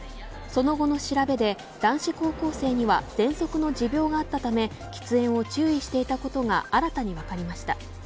その後の調べで、男子高校生にはぜんそくの持病があったため喫煙を注意していたことが新たに分かりました。